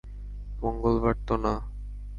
মঙ্গলবার তো না?